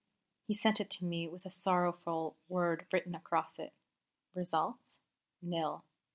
He sent it to me with a sorrowful word written across it, "Result? Nil."